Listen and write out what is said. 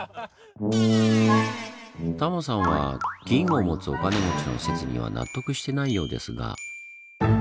タモさんは銀を持つお金持ちの説には納得してないようですが。